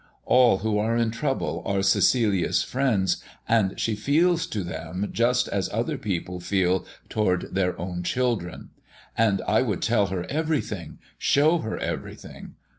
All who are in trouble are Cecilia's friends, and she feels to them just as other people feel towards their own children. And I could tell her everything, show her everything.